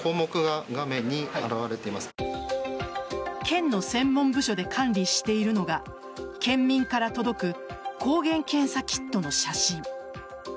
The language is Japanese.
県の専門部署で管理しているのが県民から届く抗原検査キットの写真。